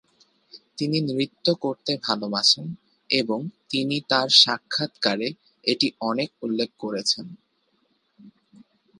তিনি নৃত্য করতে ভালবাসেন এবং তিনি তার সাক্ষাৎকারে এটি অনেক উল্লেখ করেছেন।